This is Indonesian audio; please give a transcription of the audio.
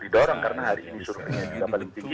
didorong karena hari ini surveinya juga paling tinggi